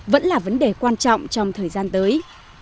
vẫn là vấn đề quan trọng trong thời gian tới